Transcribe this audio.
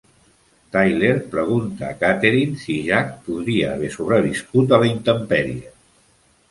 Tyler pregunta a Katheryn si Jack podria haver sobreviscut a la intempèrie.